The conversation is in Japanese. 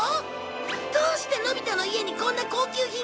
どうしてのび太の家にこんな高級品が？